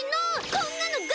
こんなのが！